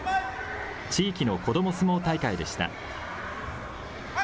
地域の子ども相撲大会でした。